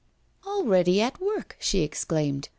'Already at work!' she exclaimed.